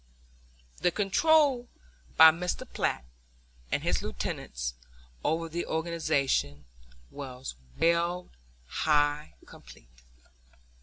The control by Mr. Platt and his lieutenants over the organization was well nigh complete.